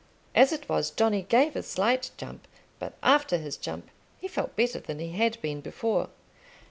As it was, Johnny gave a slight jump, but after his jump he felt better than he had been before.